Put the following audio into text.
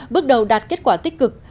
bước đầu đạt kết quả tích cực